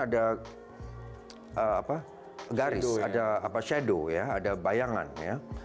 ada garis ada shadow ya ada bayangan ya